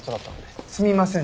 すみません